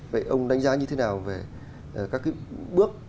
vậy ông đánh giá như thế nào về các cái bước